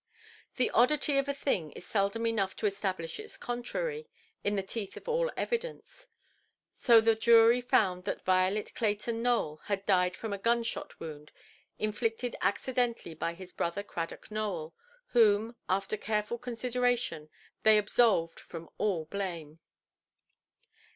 The oddity of a thing is seldom enough to establish its contrary, in the teeth of all evidence. So the jury found that "Violet Clayton Nowell had died from a gunshot wound, inflicted accidentally by his brother Cradock Nowell, whom, after careful consideration, they absolved from all blame".